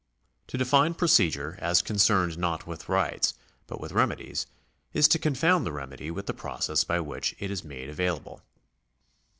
To define procedure as concerned not with rights, but with remedies, is to confound the remedy with the process by which it is made available.